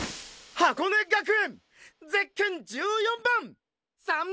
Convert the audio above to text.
「箱根学園